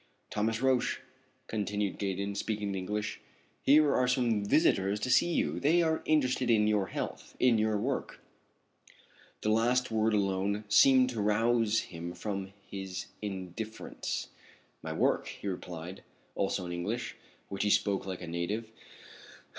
"Thomas Roch," continued Gaydon, speaking in English, "here are some visitors to see you. They are interested in your health in your work." The last word alone seemed to rouse him from his indifference. "My work?" he replied, also in English, which he spoke like a native.